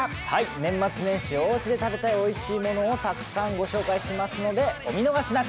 年末年始、おうちで食べたいおいしいものをたくさんご紹介しますので、お見逃しなく。